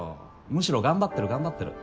むしろ頑張ってる頑張ってる。